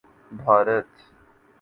Bharat